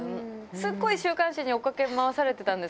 すっごい週刊誌に追っかけ回されてたんです。